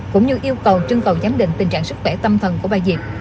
cũng như yêu cầu trương cầu giám định tình trạng sức khỏe tâm thần của bà diệp